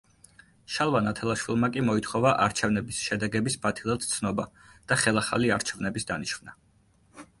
შალვა ნათელაშვილმა კი მოითხოვა არჩევნების შედეგების ბათილად ცნობა და ხელახალი არჩევნების დანიშვნა.